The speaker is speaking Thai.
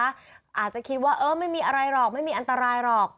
อาจจะคิดว่าเออไม่มีอะไรหรอกไม่มีอันตรายหรอก